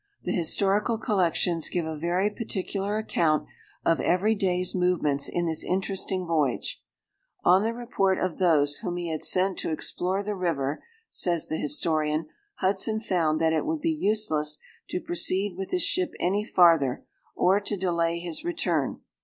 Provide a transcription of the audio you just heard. The historical collections give a very particular account of every day's movements in this interesting voyage. "On the report of those whom he had sent to explore the river," says the historian, "Hudson found that it would be useless to proceed with his ship any farther, or to delay his return.